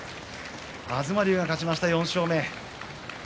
東龍が勝ちました、４勝目。